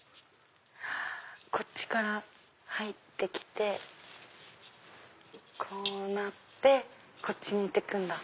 こっちから入って来てこうなってこっちに行って来る。